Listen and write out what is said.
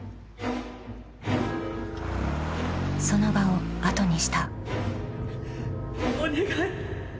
［その場を後にした］